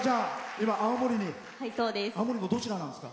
今、青森のどちらなんですか？